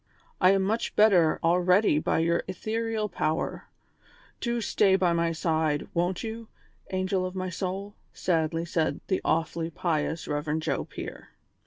I am much better already by your ethereal power ; do stay by my side, won't you, angel of my soul V " sadly said the awfully pious Rev. Joe Pier.